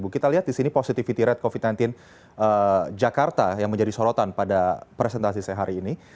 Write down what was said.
kita lihat di sini positivity rate covid sembilan belas jakarta yang menjadi sorotan pada presentasi saya hari ini